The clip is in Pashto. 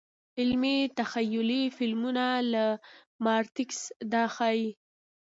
علمي – تخیلي فلمونه لکه ماتریکس دا ښيي.